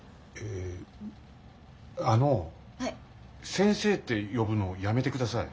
先生って呼ぶのやめてください。